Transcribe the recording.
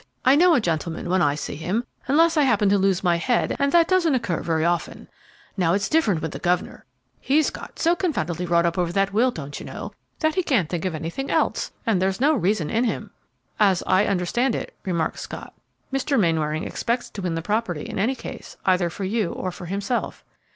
I know a gentleman when I see him, unless I happen to lose my head, and that doesn't occur very often. Now it's different with the governor. He's got so confoundedly wrought up over that will, don't you know, that he can't think of anything else, and there's no reason in him." "As I understand it," remarked Scott, "Mr. Mainwaring expects to win the property in any case, either for you or for himself."